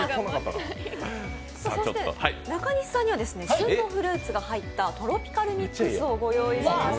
そして中西さんには旬のフルーツが入ったトロピカルミックスをご用意しました。